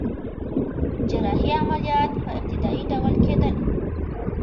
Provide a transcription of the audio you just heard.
جراحي عملیات په ابتدایی ډول کیدل